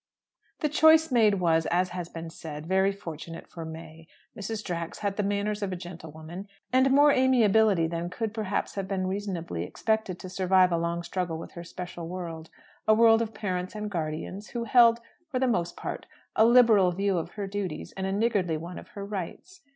The choice made was, as has been said, very fortunate for May. Mrs. Drax had the manners of a gentlewoman, and more amiability than could perhaps have been reasonably expected to survive a long struggle with her special world a world of parents and guardians, who held, for the most part, a liberal view of her duties and a niggardly one of her rights.